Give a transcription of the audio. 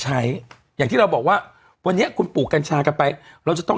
อย่างที่เราบอกว่าวันนี้คุณปลูกกัญชากันไปเราจะต้อง